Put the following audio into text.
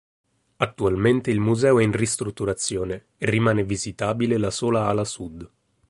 Attualmente il museo è in ristrutturazione e rimane visitabile la sola ala sud.